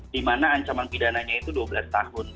di mana ancaman pidananya itu dua belas tahun